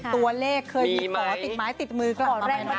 ตัวเลขเคยมีขอติดไม้ติดมือกลับบ้าน